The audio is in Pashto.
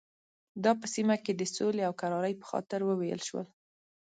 دا په سیمه کې د سولې او کرارۍ په خاطر وویل شول.